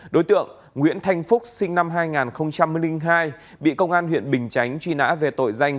đối tượng nguyễn thanh phúc sinh năm hai nghìn hai bị công an huyện bình chánh truy nã về tội danh